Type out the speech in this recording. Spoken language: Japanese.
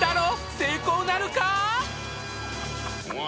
成功なるか？